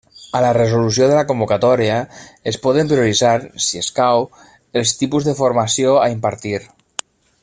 A la resolució de convocatòria es poden prioritzar, si escau, els tipus de formació a impartir.